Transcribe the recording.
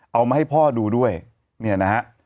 เอามาให้พ่อดูด้วยเนี่ยนะฮะ